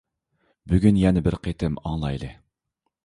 بۈگۈن يەنە بىر قېتىم ئاڭلايلى.